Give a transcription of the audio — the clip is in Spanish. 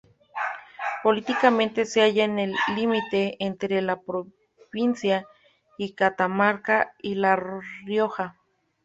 Políticamente se halla en el límite entre las provincias de Catamarca y La Rioja.